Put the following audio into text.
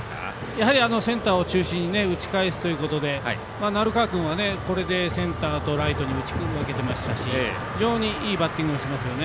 やはりセンターを中心に打ち返すということで鳴川君はこれでセンターとライトに打ち分けてましたし非常にいいバッティングをします。